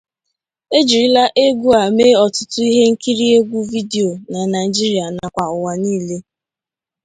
Ejirila egwu a mee ọtụtụ ihe nkiri egwu vidio na Nigeria nakwa ụwa niile.